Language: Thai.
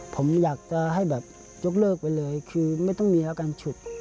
ผมอยากจะให้แบบยกเลิกไปเลยคือไม่ต้องมีอาการฉุด